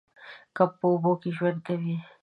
کب په اوبو کې ژوند کوي